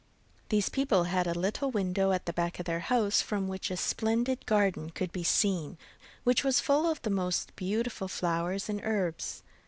These people had a little window at the back of their house from which a splendid garden could be seen, which was full of the most beautiful flowers and herbs.